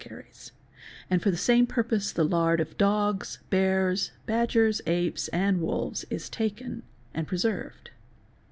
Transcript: caries, and for the same purpose the lard of dogs, bears, badgers, apes, : and wolves is taken and preserved.